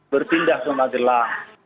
berpindah ke magelang